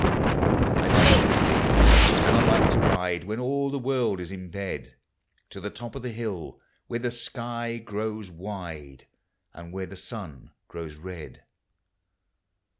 I like these tilings, and I like to ride, When all the world is in bed. To the to]) of the hill where the sky grOWfl wide, And where the sun grows red.